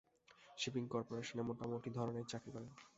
Shipping করপোরেশনে মোটামুটি ধরনের চাকরি করে।